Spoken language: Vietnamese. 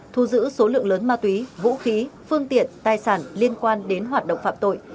thu giữ số lượng lớn ma túy vũ khí phương tiện tài sản liên quan đến hoạt động phạm tội